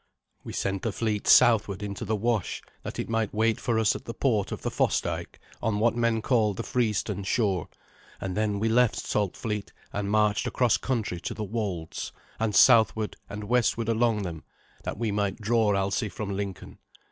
We sent the fleet southward into the Wash, that it might wait for us at the port of the Fossdyke, on what men call the Frieston shore; and then we left Saltfleet and marched across country to the wolds, and southward and westward along them, that we might draw Alsi from Lincoln.